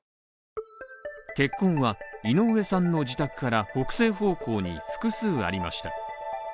血痕は井上さんの自宅から北西方向に複数ありました。